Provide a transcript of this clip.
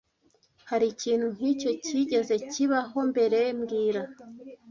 Hari ikintu nk'iki cyigeze kibaho mbere mbwira